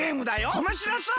おもしろそう！